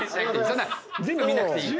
そんな全部見なくていい。